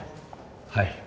はい。